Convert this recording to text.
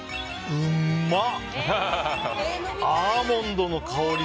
うまっ。